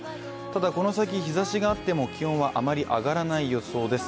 ただこの先、日ざしがあっても気温はあまり上がらない予想です。